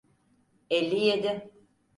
Elli yedi.